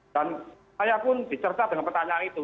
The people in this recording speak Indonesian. dan saya pun dicerita dengan pertanyaan itu